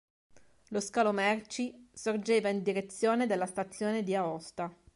Lo scalo merci, sorgeva in direzione della stazione di Aosta.